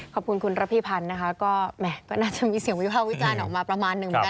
ขอบคุณคุณรับพิพันธ์นะคะก็แหม่ก็น่าจะมีเสียงวิวภาพวิจารณ์ออกมาประมาณหนึ่ง